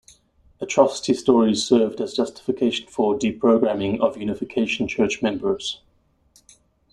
Atrocity stories served as justification for deprogramming of Unification Church members.